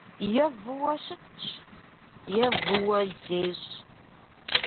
Е выуэ щытщ, е выуэ зещӏ.